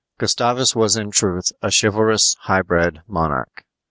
Gustavus was in truth a chivalrous, high bred monarch.